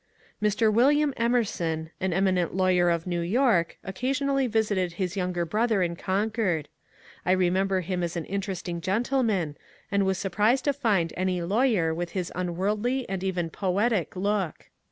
Mr. William Emerson, an eminent lawyer of New York, occasionaUy visited his younger brother in Concord. I re member him as an interesting gentleman, and was surprised to find any lawyer with his unworldly and even poetic look.